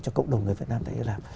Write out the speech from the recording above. cho cộng đồng người việt nam tại hy lạp